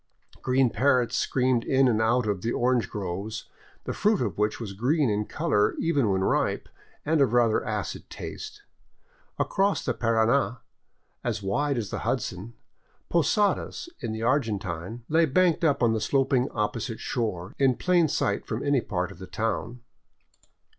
Green parrots screamed in and out of the orange groves, the fruit of which was green in color even when ripe and of rather acid taste. Across the Parana, as wide as the Hudson, Posadas, in the Argentine, lay banked up on the sloping opposite shore, in plain sight from any part of the town.